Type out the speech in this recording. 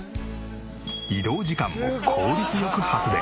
移動時間も効率よく発電。